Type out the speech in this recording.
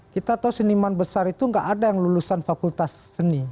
kita tahu seniman besar itu nggak ada yang lulusan fakultas seni